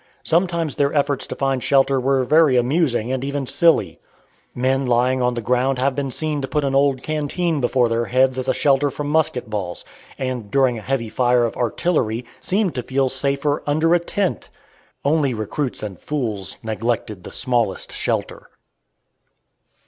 Sometimes their efforts to find shelter were very amusing and even silly. Men lying on the ground have been seen to put an old canteen before their heads as a shelter from musket balls; and during a heavy fire of artillery, seemed to feel safer under a tent. Only recruits and fools neglected the smallest shelter.